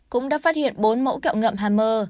cũng đã phát hiện bốn mẫu kẹo ngậm hammer